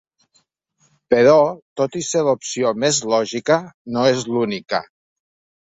Però, tot i ser l’opció més lògica, no és l’única.